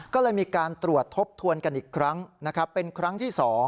ก็เลยมีการตรวจทบทวนกันอีกครั้งนะครับเป็นครั้งที่๒